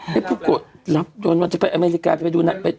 พี่ปุโกะรับมันจะไปอเมริกาไปดูนั่น